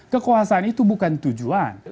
kekuasaan itu bukan tujuan